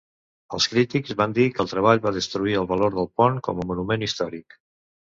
Els crítics van dir que el treball va destruir el valor del pont com a monument històric.